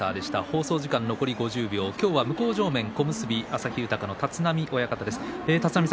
向正面は小結旭豊の立浪親方です。